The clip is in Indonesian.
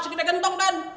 sekitarnya gentong den